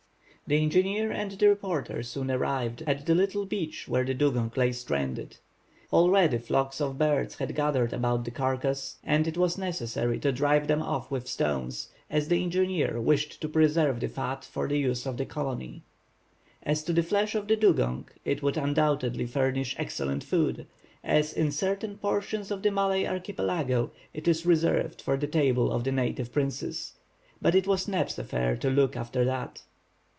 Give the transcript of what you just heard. The engineer and the reporter soon arrived, at the little beach where the dugong lay stranded. Already flocks of birds had gathered about the carcass, and it was necessary to drive them off with stones, as the engineer wished to preserve the fat for the use of the colony. As to the flesh of the dugong, it would undoubtedly furnish excellent food, as in certain portions of the Malay archipelago it is reserved for the table of the native princes. But it was Neb's affair to look after that.